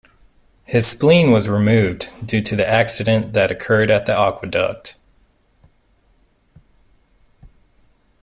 His spleen was removed due to the accident that occurred at Aqueduct.